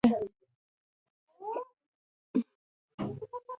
رنګ يې ورو ورو زېړېده.